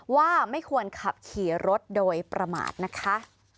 ว่าไม่ควรขับขี่รถโดยประมาทนะคะ